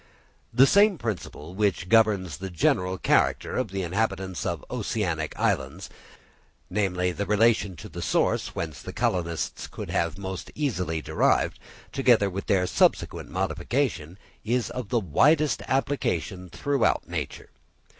The same principle which governs the general character of the inhabitants of oceanic islands, namely, the relation to the source whence colonists could have been most easily derived, together with their subsequent modification, is of the widest application throughout nature.